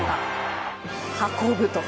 運ぶと。